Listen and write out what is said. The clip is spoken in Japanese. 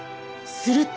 すると。